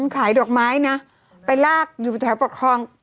ขายดอกไม้นะไปลากอยู่แถวประคอง